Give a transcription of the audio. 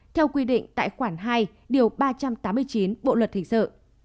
theo quy định tại khoản hai điều ba trăm tám mươi chín bộ luật hình sự